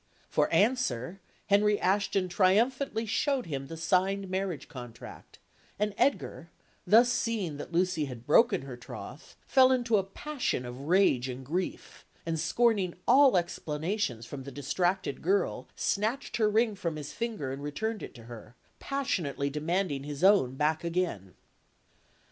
For answer, Henry Ashton triumphantly showed him the signed marriage contract; and Edgar, thus seeing that Lucy had broken her troth, fell into a passion of rage and grief, and, scorning all explanations from the distracted girl, snatched her ring from his finger and returned it to her, passionately demanding his own back again.